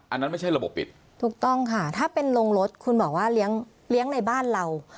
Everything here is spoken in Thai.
อันนั้นไม่ใช่ระบบปิดถูกต้องค่ะถ้าเป็นโรงรถคุณบอกว่าเลี้ยงเลี้ยงในบ้านเรา